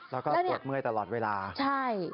แล้วก็ปวดเมื่อยตลอดเวลาใช่